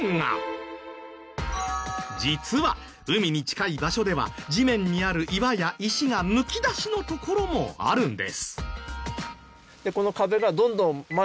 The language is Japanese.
実は海に近い場所では地面にある岩や石がむき出しのところもあるんです。